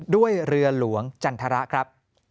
ด้วยเรือหลวงจันทรครับ